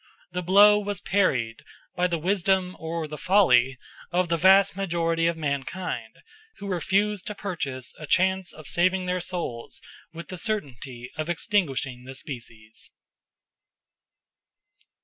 The blow was parried by the wisdom or the folly of the vast majority of mankind, who refused to purchase a chance of saving their souls with the certainty of extinguishing the species.